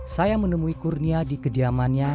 saya menemui kurnia di kediamannya